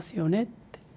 って。